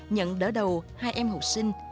nhận đỡ đầu hai em học sinh